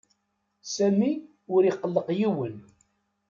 Sami ur iqelleq yiwen.